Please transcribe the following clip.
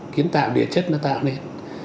kiến tạo địa chất nó tạo nên